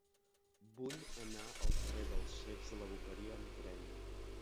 Vull anar al carrer dels Cecs de la Boqueria amb tren.